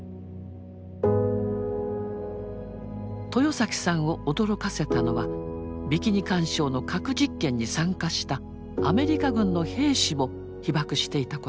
豊さんを驚かせたのはビキニ環礁の核実験に参加したアメリカ軍の兵士も被ばくしていたことでした。